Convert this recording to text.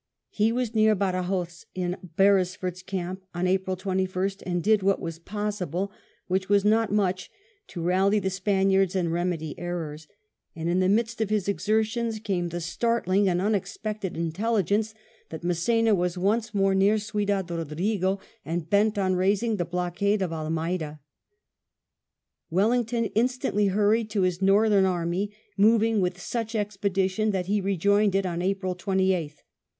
He was near Badajos in Beresford's camp • on April 21st, and did what was possible, which was not much, to rally the Spaniards and remedy errors; and in the midst of his exertions came the startling and i unexpected intelligence that Mass^na was once more near i Ciudad Rodrigo, and bent on raising the blockade of ' Almeida. Wellington instantly hurried to his northern | army, moving with such expedition that he rejoined it I on April 28th.